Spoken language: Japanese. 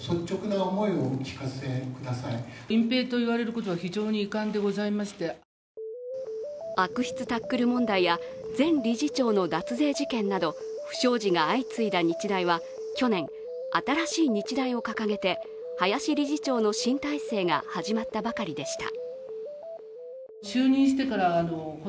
なぜ、報告に時間がかかったのかは悪質タックル問題や前理事長の脱税事件など不祥事が相次いだ日大は去年、新しい日大を掲げて、林理事長の新体制が始まったばかりでした。